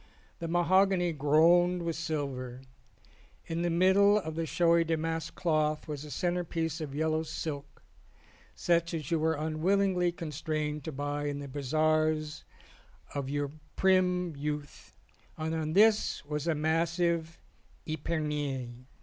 The mahogany groaned with silver. In the middle of the snowy damask cloth was a centrepiece of yellow silk such as you were unwillingly con strained to buy in the bazaars of your prim youth and on this was a massive epergne.